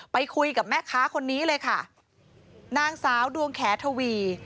ไปคุยกับแม่ค้าคนนี้เลยค่ะนางสาวดวงแขทวี